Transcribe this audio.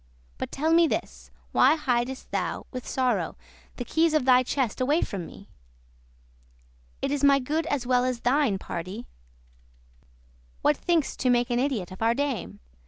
But tell me this, why hidest thou, *with sorrow,* *sorrow on thee!* The keyes of thy chest away from me? It is my good* as well as thine, pardie. *property What, think'st to make an idiot of our dame?